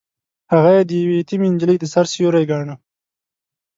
هغه يې د يوې يتيمې نجلۍ د سر سيوری ګاڼه.